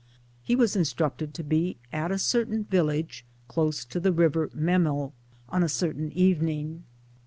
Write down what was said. He was instructed to be at a certain village close to the river Memel on a certain evening.